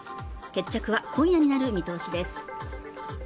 決着は今夜になる見通しです